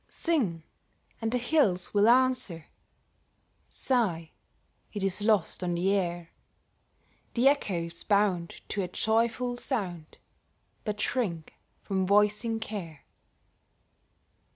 Sing, and the hills will answer; Sigh, it is lost on the air; The echoes bound to a joyful sound, But shrink from voicing care.